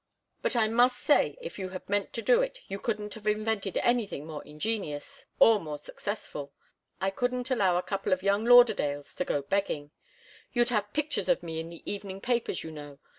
But I must say, if you had meant to do it, you couldn't have invented anything more ingenious, or more successful. I couldn't allow a couple of young Lauderdales to go begging. They'd have pictures of me in the evening papers, you know.